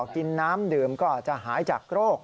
กินน้ำดื่มก็อาจจะหายจากโรค